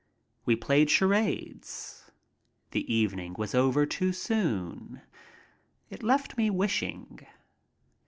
We played charades. The evening was over too soon. It left me wishing.